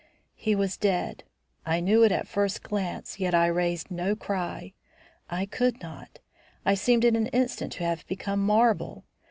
"He was dead. I knew it at first glance, yet I raised no cry. I could not. I seemed in an instant to have become marble.